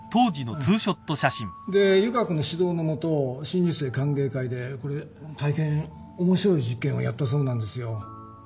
で湯川君の指導の下新入生歓迎会でこれ大変面白い実験をやったそうなんですよ。